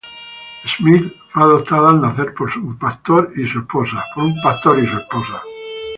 Smith fue adoptada al nacer por un pastor y su esposa.